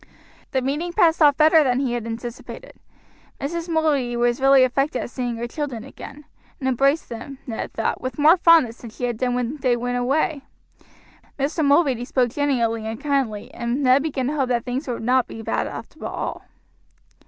The meeting passed off better than he had anticipated. Mrs. Mulready was really affected at seeing her children again, and embraced them, Ned thought, with more fondness than she had done when they went away. Mr. Mulready spoke genially and kindly, and Ned began to hope that things would not be so bad after all.